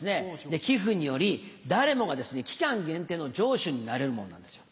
で寄付により誰もが期間限定の城主になれるものなんですよ。